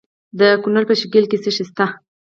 د کونړ په شیګل کې څه شی شته؟